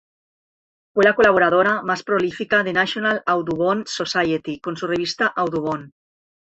Fue la colaboradora más prolífica de National Audubon Society con su revista "Audubon".